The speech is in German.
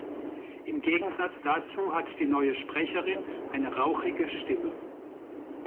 Im Gegensatz dazu hat die neue Sprecherin eine rauchige Stimme.